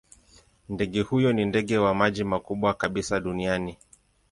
Ndege huyo ni ndege wa maji mkubwa kabisa duniani.